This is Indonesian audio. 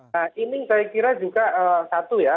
nah ini saya kira juga satu ya